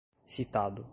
citado